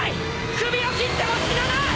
首を斬っても死なない！